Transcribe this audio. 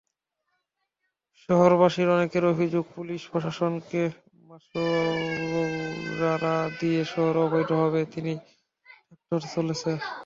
শহরবাসীর অনেকের অভিযোগ, পুলিশ প্রশাসনকে মাসোয়ারা দিয়ে শহরে অবৈধভাবে তিন শতাধিক ট্রাক্টর চলছে।